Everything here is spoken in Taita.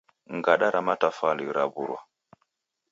Ngada ra matafwali rawurwa